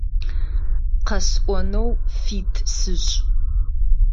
Къэсӏонэу фит сышӏ.